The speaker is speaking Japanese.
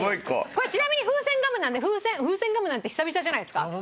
これちなみにフーセンガムなんでフーセンガムなんて久々じゃないですか？